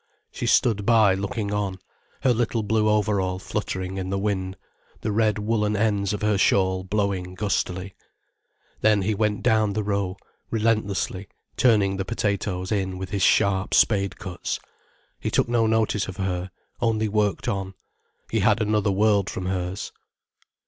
She stood by looking on, her little blue overall fluttering in the wind, the red woollen ends of her shawl blowing gustily. Then he went down the row, relentlessly, turning the potatoes in with his sharp spade cuts. He took no notice of her, only worked on. He had another world from hers.